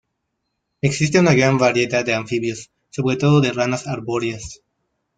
Existe una gran variedad de anfibios, sobre todo de ranas arbóreas.